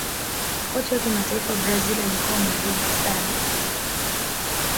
kocha wa kimataifa wa Brazil alikuwa mahiri sana